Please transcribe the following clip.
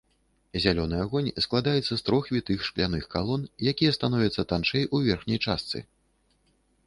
Зялёны агонь складаецца з трох вітых шкляных калон, якія становяцца танчэй у верхняй частцы.